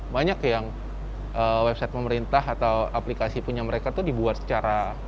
banyak yang website pemerintah atau aplikasi punya mereka itu dibuat secara